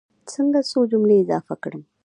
څنګه څو جملې اضافه کړم.